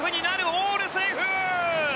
オールセーフ！